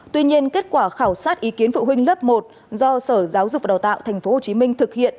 tuy nhiên kết quả khảo sát ý kiến phụ huynh lớp một do sở giáo dục và đào tạo tp hcm thực hiện